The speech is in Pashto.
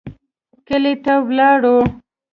کلي ته ولاړو.